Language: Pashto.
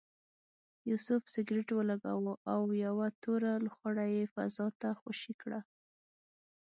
یوسف سګرټ ولګاوه او یوه توره لوخړه یې فضا ته خوشې کړه.